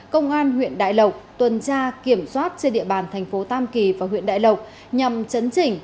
công an huyện đại lộc tuần tra kiểm soát trên địa bàn thành phố tam kỳ và huyện đại lộc nhằm chấn chỉnh